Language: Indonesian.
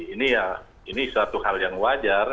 ini ya ini suatu hal yang wajar